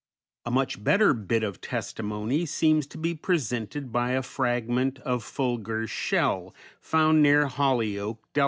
A much better bit of testimony seems to be presented by a fragment of Fulgur shell found near Hollyoak, Del.